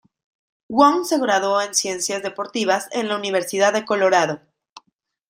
Wang se graduó en ciencias deportivas en la Universidad de Colorado.